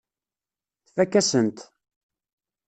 Tfakk-asen-t.